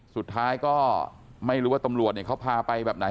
สุดท้ายก็ไม่รู้ว่าตำรวจเขาพาไปแบบไหน